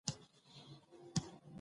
زړه مې داسې ستا غمونه دى نيولى.